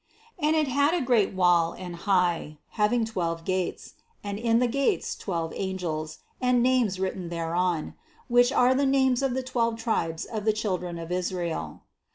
12. And it had a great wall and high, having twelve gates ; and in the gates twelve angels, and names writ ten thereon, which are the names of the twelve tribes of the children of Israel.